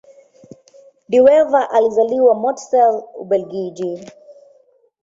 De Wever alizaliwa Mortsel, Ubelgiji.